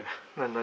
何？